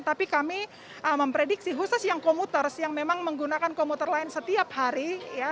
tapi kami memprediksi khusus yang komuter yang memang menggunakan komuter lain setiap hari